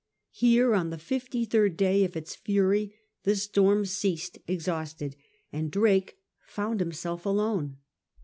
Here, on the fifty third day of its fury, the storm ceased exhausted, and Drake found himself alone.